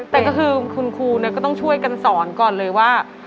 แต่ก็คือคุณครูก็ต้องช่วยกันสอนก่อนเลยว่า